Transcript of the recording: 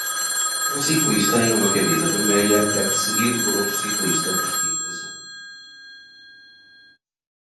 Um ciclista em uma camisa vermelha é perseguido por outro ciclista vestindo azul.